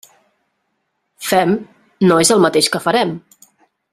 Fem, no és el mateix que farem.